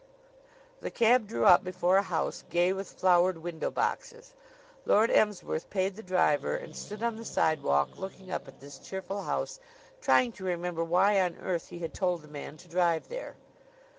The cab drew up before a house gay with flowered window boxes. Lord Emsworth paid the driver and stood on the sidewalk looking up at this cheerful house, trying to remember why on earth he had told the man to drive there.